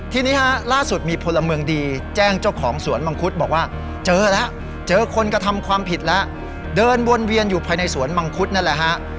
ทีนี้ฮะล่าสุดมีพลเมืองดีแจ้งเจ้าของสวนมังคุดบอกว่าเจอแล้วเจอคนกระทำความผิดแล้วเดินวนเวียนอยู่ภายในสวนมังคุดนั่นแหละฮะ